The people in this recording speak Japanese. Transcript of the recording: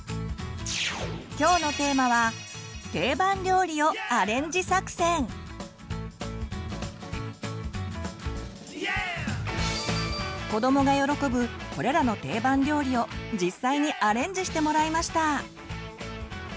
きょうのテーマは子どもが喜ぶこれらの定番料理を実際にアレンジしてもらいました。